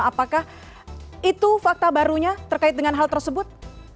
apakah itu fakta barunya terkait dengan hal tersebut